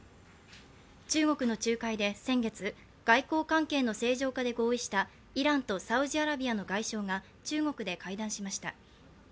中国の仲介で先月、外交関係の正常化で合意したイランとサウジアラビアの外相が中国で会談しました。